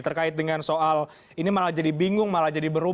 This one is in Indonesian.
terkait dengan soal ini malah jadi bingung malah jadi berubah